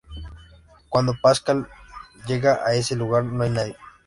Cuando Pascal llega a ese lugar no hay nadie.